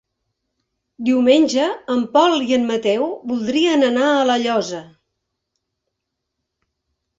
Diumenge en Pol i en Mateu voldrien anar a La Llosa.